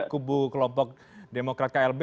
kubu kelompok demokrat klb